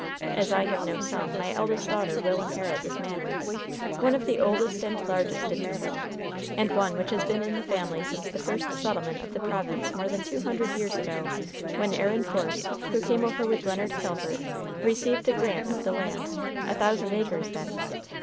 As I have no son, my eldest daughter will inherit this manor one of the oldest and largest in Maryland, and one which has been in the family since the first settlement of the province, more than two hundred years ago, when Aaron Force, who came over with Leonard Calvert, received a grant of the land a thousand acres, then.